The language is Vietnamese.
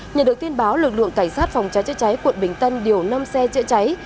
nhận được tin báo lực lượng cảnh sát phòng cháy chữa cháy quận bình tân điều năm xe chữa cháy